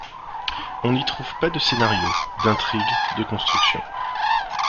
On n’y trouve pas de scénario, d’intrigue, de construction.